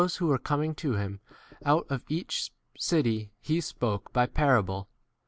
who were coming to him out of each city, he spoke by pa 5 rable.